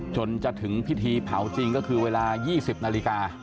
จนจะถึงพิธีเผาจริงก็คือเวลา๒๐นาฬิกา